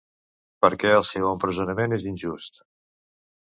Perquè el seu empresonament és injust.